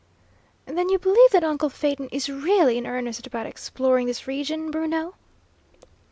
"Then you believe that uncle Phaeton is really in earnest about exploring this region, Bruno?"